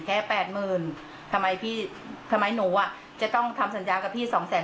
แปดหมื่นทำไมพี่ทำไมหนูอ่ะจะต้องทำสัญญากับพี่สองแสน